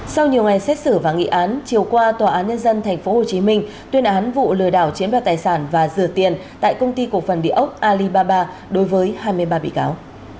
sau nhiều ngày xét xử và nghị án chiều qua tòa án nhân dân tp hcm tuyên án vụ lừa đảo chiếm đoạt tài sản và rửa tiền tại công ty cổ phần địa ốc alibaba đối với hai mươi ba bị cáo